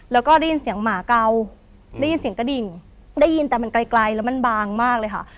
แล้วก็ได้ยินเสียงหมาเก่าได้ยินเสียงกระดิ่งได้ยินแต่มันไกลแล้วมันบางมากเลยค่ะ